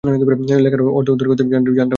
লেখার অর্থ উদ্ধার করতেই জানটা বেরিয়ে যাচ্ছে!